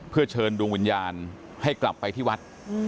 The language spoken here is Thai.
เพื่อเชิญดวงวิญญาณให้กลับไปที่วัด